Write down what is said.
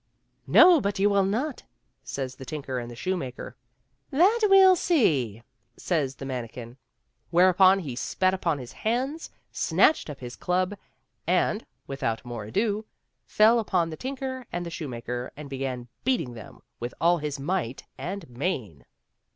" No, but you will not," says the tinker and the shoemaker. " That we'll see," says the manikin ; whereupon he spat upon his hands, snatched up his club, and, without more ado, fell upon the tinker and the shoemaker, and began beating them with all his might and main.